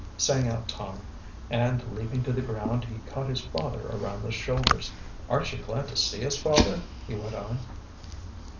sang out Tom, and leaping to the ground, he caught his father around the shoulders. "Aren't you glad to see us, father?" he went on.